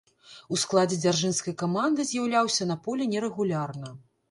У складзе дзяржынскай каманды з'яўляўся на полі нерэгулярна.